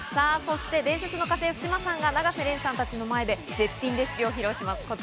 そして伝説の家政婦・志麻さんが永瀬廉さんたちの前で絶品レシピを披露します。